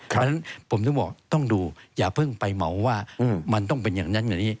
เพราะฉะนั้นผมถึงบอกต้องดูอย่าเพิ่งไปเหมาว่ามันต้องเป็นอย่างนั้นอย่างนี้